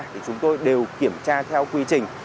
thì chúng tôi đều kiểm tra theo quy trình